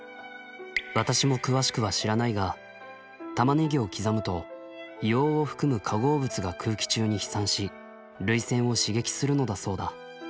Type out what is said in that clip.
私も詳しくは知らないがタマネギを刻むと硫黄を含む化合物が空気中に飛散し涙腺を刺激するのだそうだ。